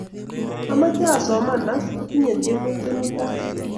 Amoche asoman as, atinye tyemutik mutai